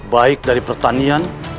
baik dari pertanian